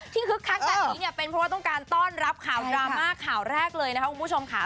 ที่คึกคักแบบนี้เป็นเพราะต้องการต้อนรับข่าวดราม่าข่าวแรกเลยพี่มูชมขา